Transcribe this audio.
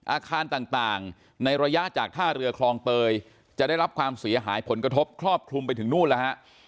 อาคารต่างในระยะจากท่าเรือคลองเตยจะได้รับความเสียหายผลกระทบครอบคลุมไปถึงนู่นแล้วฮะ